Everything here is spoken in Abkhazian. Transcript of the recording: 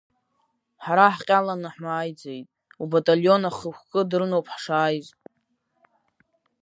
Ҳара ҳҟьаланы ҳмааиӡеит, убаталион ахықәкы дырноуп ҳшааиз.